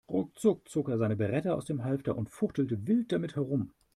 Ruckzuck zog er seine Beretta aus dem Halfter und fuchtelte wild damit herum.